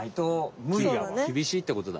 きびしいってことだ。